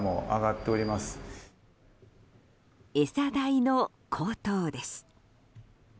餌代の高騰です。